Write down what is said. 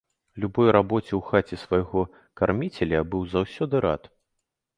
Любой рабоце ў хаце свайго карміцеля я быў заўсёды рад.